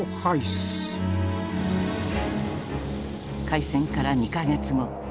開戦から２か月後。